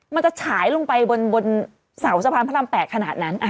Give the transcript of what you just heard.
ฉายลงไปบนเสาสะพานพระราม๘ขนาดนั้น